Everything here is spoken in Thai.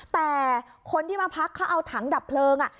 แต่คนที่มาพักเขาเอาถังดับเพลิง